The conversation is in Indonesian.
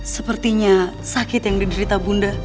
sepertinya sakit yang diderita bunda